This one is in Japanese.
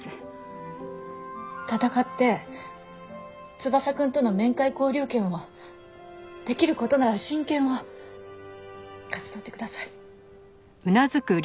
闘って翼くんとの面会交流権をできる事なら親権を勝ち取ってください。